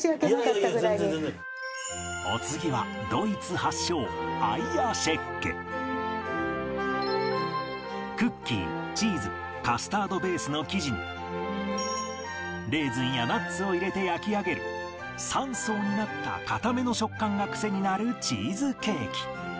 お次はクッキーチーズカスタードベースの生地にレーズンやナッツを入れて焼き上げる３層になった硬めの食感がクセになるチーズケーキ